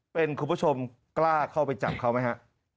เป็นคุณผู้ชมกล้าเข้าไปจับเขาไหมฮะ